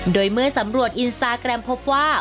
โดยเมื่อสำรวจอินสตาแกรมพบว่า